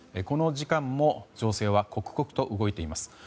この時間も情勢は刻々と動いています。